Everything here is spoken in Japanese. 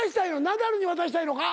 ナダルに渡したいのか？